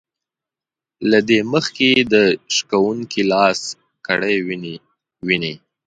له دې مخکې د شکوونکي لاس کړي وينې وينې